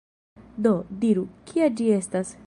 Do, diru, kia ĝi estas?